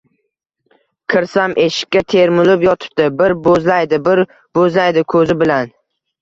Kirsam eshikka termulib yotibdi, bir boʼzlaydi, bir boʼzlaydi koʼzi bilan…